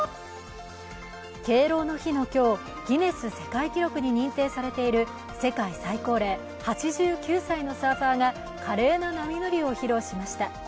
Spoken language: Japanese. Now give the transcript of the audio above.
敬老の日の今日、ギネス世界記録に認定されている世界最高齢８９歳のサーファーが華麗な波乗りを披露しました。